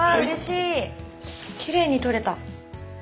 きれいに取れた。